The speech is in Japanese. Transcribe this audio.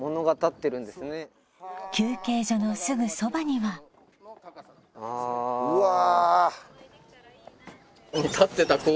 休憩所のすぐそばにはああうわあ